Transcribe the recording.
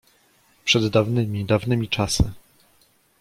"Przed dawnymi, dawnymi czasy?"